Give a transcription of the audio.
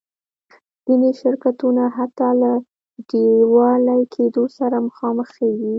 ځینې شرکتونه حتی له ډیوالي کېدو سره مخامخېږي.